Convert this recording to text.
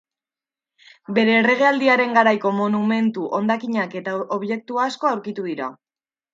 Bere erregealdiaren garaiko monumentu hondakinak eta objektu asko aurkitu dira.